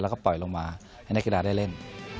แล้วก็ปล่อยลงมาให้นักกีฬาได้เล่น